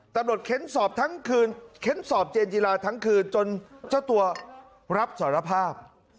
ตำรวจเข้นสอบเจนจีราทั้งคืนจนเจ้าตัวรับสารภาพ